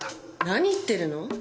何言ってるの？